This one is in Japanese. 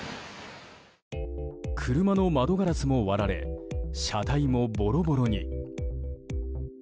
車の窓ガラスも割られ車体もボロボロに。